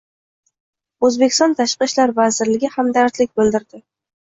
O‘zbekiston Tashqi ishlar vazirligi hamdardlik bildirdi